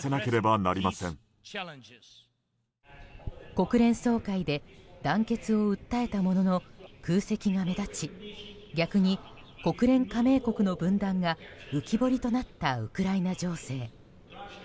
国連総会で団結を訴えたものの空席が目立ち逆に、国連加盟国の分断が浮き彫りとなったウクライナ情勢。